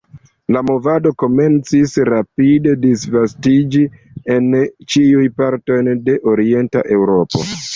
La movado komencis rapide disvastiĝi en ĉiujn partojn de orienta Eŭropo.